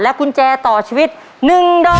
กุญแจต่อชีวิต๑ดอก